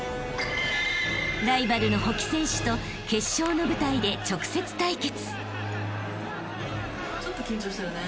［ライバルの甫木選手と決勝の舞台で直接対決］